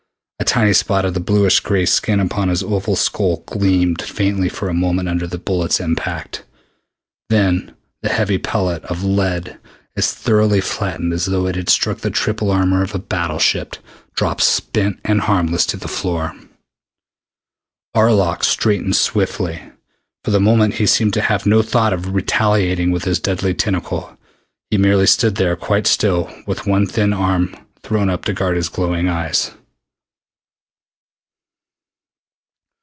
A tiny spot of bluish gray skin upon his oval skull gleamed faintly for a moment under the bullet's impact. Then the heavy pellet of lead, as thoroughly flattened as though it had struck the triple armor of a battleship, dropped spent and harmless to the floor. Arlok straightened swiftly. For the moment he seemed to have no thought of retaliating with his deadly tentacle. He merely stood there quite still with one thin arm thrown up to guard his glowing eyes.